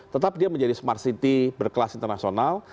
tetap dia menjadi smart city berkelas internasional